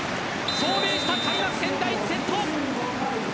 証明した開幕戦第１セット。